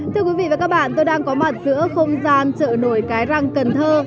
thưa quý vị và các bạn tôi đang có mặt giữa không gian trợ nổi cái răng cần thiết